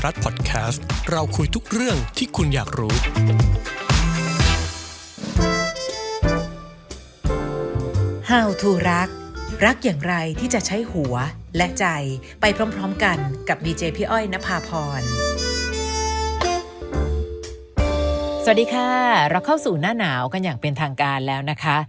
สวัสดีค่ะเราเข้าสู่หน้าหนาวกันอย่างเป็นทางการแล้วนะคะ